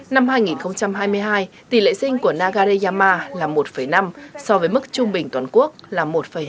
năm hai nghìn hai mươi hai tỷ lệ sinh của nagareyama là một năm so với mức trung bình toàn quốc là một hai